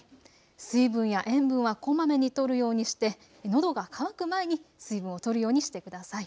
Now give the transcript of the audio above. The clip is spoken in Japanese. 水分や塩分はこまめにとるようにして、のどが渇く前に水分をとるようにしてください。